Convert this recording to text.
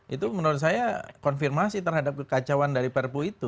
itu menurut saya konfirmasi terhadap kekacauan dari perpu itu